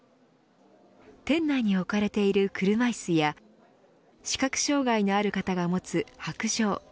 店内に置かれている車いすや視覚障害のある方が持つ白杖